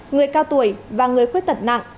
người cao tuổi và người khuyết tật nặng